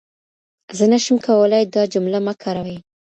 زه نشم کولای دا جمله مه کاروئ.